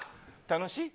楽しい？